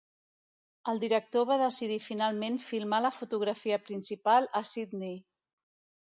El director va decidir finalment filmar la fotografia principal a Sydney.